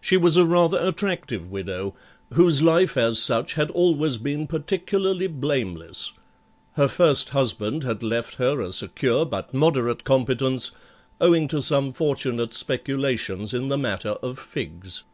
She was a rather attractive widow, whose life as such had always been particularly blameless; Her first husband had left her a secure but moderate competence, owing to some fortunate speculations in the matter of figs.